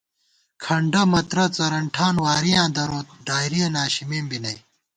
کھنڈہ مترہ څرَن ٹھان وارِیاں دروت ڈائرِیَہ ناشِمېم بی نئ